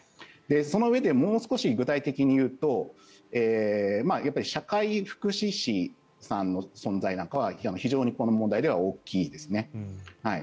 そのうえでもう少し具体的に言うとやっぱり社会福祉士さんの存在なんかは非常にこの問題では大きいですね。